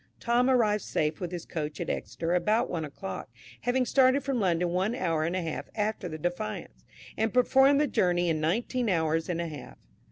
Tom arrived safe with his coach at Exeter about one o'clock, having started from London one hour and a half after the "Defiance," and performed the journey in nineteen hours and a half.